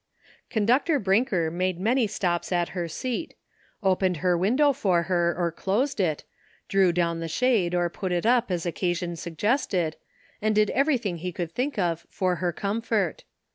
Conductor Brinker made many stops at her seat ; opened her window for her or closed it, drew down the shade or put it up as occasion suggested, and did everything he could think of for her comfort.